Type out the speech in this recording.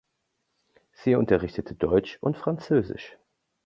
Sie unterrichtete Deutsch und Französisch.